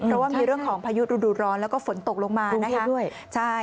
เพราะว่ามีเรื่องของพายุฤดูร้อนแล้วก็ฝนตกลงมานะคะ